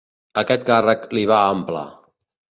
Aquest càrrec li va ample.